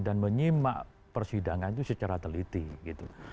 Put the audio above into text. dan menyimak persidangan itu secara teliti gitu